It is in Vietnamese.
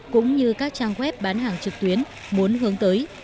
cũng như các trang web bán hàng trực tuyến muốn hướng tới